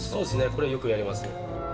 これはよくやりますね。